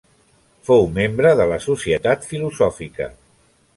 Fou membre de la Societat Filosòfica.